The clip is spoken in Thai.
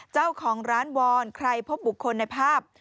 เจ้าของร้านวอนใครพบบุคคลในภาพ